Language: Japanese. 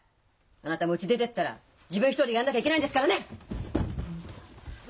あなたもうち出てったら自分一人でやんなきゃいけないんですからね！